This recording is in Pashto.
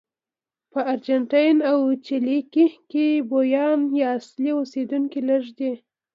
په ارجنټاین او چیلي کې بومیان یا اصلي اوسېدونکي لږ دي.